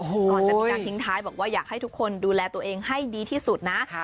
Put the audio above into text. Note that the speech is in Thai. ก่อนจะมีการทิ้งท้ายบอกว่าอยากให้ทุกคนดูแลตัวเองให้ดีที่สุดนะ